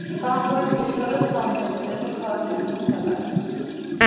ბანგორი ძირითადად საუნივერსიტეტო ქალაქის სახეს ატარებს.